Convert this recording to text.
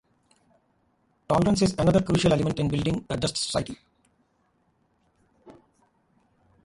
Tolerance is another crucial element in building a just society.